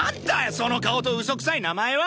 その顔と嘘くさい名前は！